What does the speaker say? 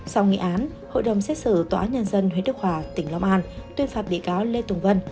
sau nghị án hội đồng xét xử tòa án nhân dân huyện đức hòa tỉnh long an tuyên phạt bị cáo lê tùng vân